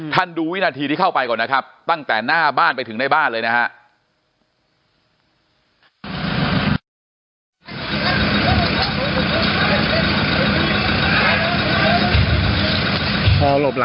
ดูวินาทีที่เข้าไปก่อนนะครับตั้งแต่หน้าบ้านไปถึงในบ้านเลยนะฮะ